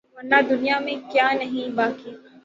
ورنہ دنیا میں کیا نہیں باقی